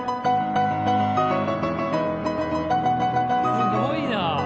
すごいな。